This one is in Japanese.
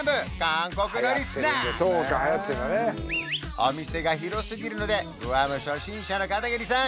お店が広すぎるのでグアム初心者の片桐さん